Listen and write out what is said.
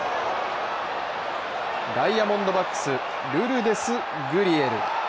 ダイヤモンドバックスルルデス・グリエル。